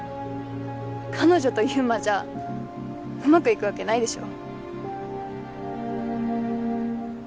彼女と祐馬じゃうまくいくわけないでしょ